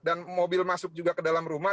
dan mobil masuk juga ke dalam rumah